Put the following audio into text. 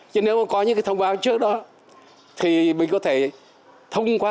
chứ nếu có những thông báo trước đó thì mình có thể thông qua